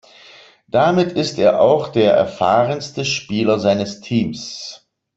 Damit ist er auch der erfahrenste Spieler seines Teams.